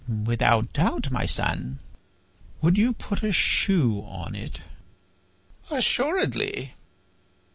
"Without doubt, my son." "Would you put a shoe on it?" "Assuredly."